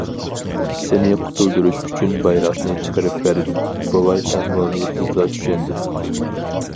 سېنى قۇتۇلدۇرۇش ئۈچۈن بايراقنى چىقىرىپ بەردىم. بوۋاي ئەھۋالنى تېزلا چۈشەندى.